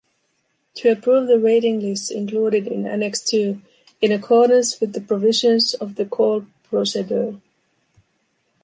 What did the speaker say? To approve the waiting lists included in Annex Two in accordance with the provisions of the call procedure.